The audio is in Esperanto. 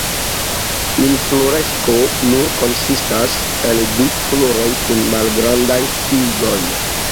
Infloresko nur konsistas el du floroj kun malgrandaj tigoj.